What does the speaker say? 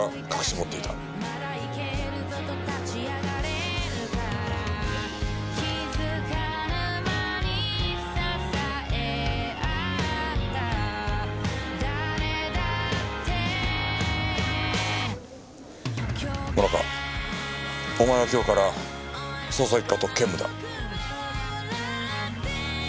萌奈佳お前は今日から捜査一課と兼務だ。